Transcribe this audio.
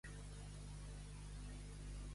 M'agrada molt "Tanca els ulls"; reprodueix-la.